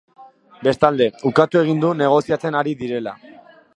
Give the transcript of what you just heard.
Bestalde, ukatu egin du negoziatzen ari direla.